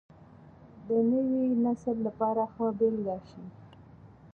د نوي نسل لپاره ښه بېلګه شئ.